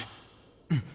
うん。